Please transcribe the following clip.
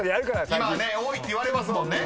［今多いって言われますもんね］